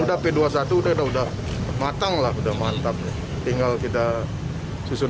sudah sudah sudah sudah sudah p dua puluh satu udah sudah matanglah udah mantapnya tinggal kita susun